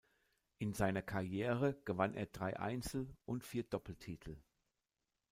In seiner Karriere gewann er drei Einzel- und vier Doppeltitel.